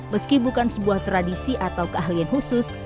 meski bukan sebuah tradisi atau keahlian khusus